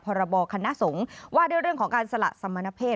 พรบคณะสงฆ์ว่าด้วยเรื่องของการสละสมณเพศ